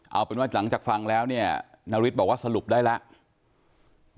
เอาเป็นว่าหลังจากฟังแล้วเนี่ยนาริสบอกว่าสรุปได้แล้ว